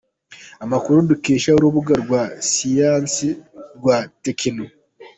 Amakuru dukesha urubuga rwa siyansi rwa techno.